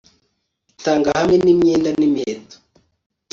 itanga hamwe nimyenda n'imiheto